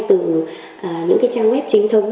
từ những trang web chính thống